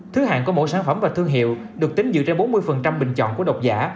thứ hạng của mỗi sản phẩm và thương hiệu được tính dựa trên bốn mươi bình chọn của độc giả